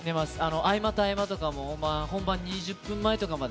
合間と合間とかも本番２０分前まで。